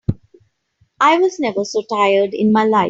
I was never so tired in my life.